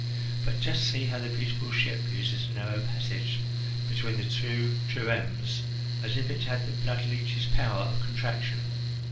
But just see how the beautiful ship uses the narrow passage between the two triremes, as if it had the bloodleech's power of contraction!